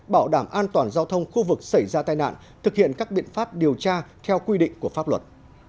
bảo đảm an toàn giao thông khu vực xảy ra tai nạn thực hiện các biện pháp điều tra theo quy định của pháp luật